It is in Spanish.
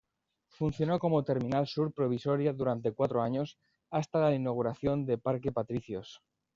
Funcionó como terminal-sur provisoria durante cuatro años, hasta la inauguración de Parque Patricios.